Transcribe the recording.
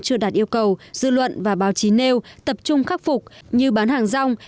chưa đạt yêu cầu dư luận và báo chí nêu tập trung khắc phục như bán hàng rong